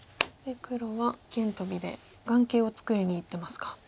そして黒は一間トビで眼形を作りにいってますか。